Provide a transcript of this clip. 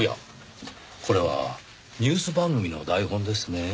これはニュース番組の台本ですね？